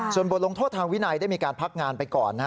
ส่วนบทลงโทษทางวินัยได้มีการพักงานไปก่อน